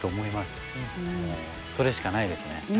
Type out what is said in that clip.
それしかないですね。